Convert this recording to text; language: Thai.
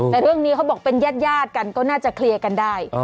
แต่เรื่องนี้เขาบอกเป็นญาติกันก็น่าจะเคลียร์กันได้